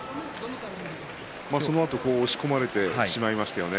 そのあと押し込まれてしまいましたよね。